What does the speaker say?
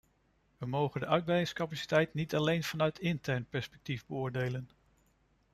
We mogen de uitbreidingscapaciteit niet alleen vanuit intern perspectief beoordelen.